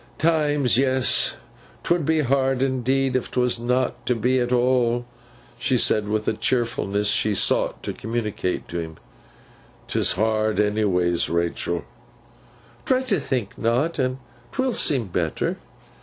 'Times, yes! 'Twould be hard, indeed, if 'twas not to be at all,' she said, with a cheerfulness she sought to communicate to him. ''Tis hard, anyways, Rachael.' 'Try to think not; and 'twill seem better.